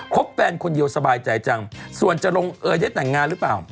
แฟนคนเดียวสบายใจจังส่วนจะลงเอยได้แต่งงานหรือเปล่า